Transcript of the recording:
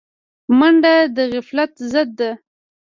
منډه د غفلت ضد ده